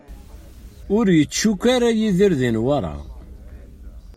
Ur yettcukku ara Yidir di Newwara.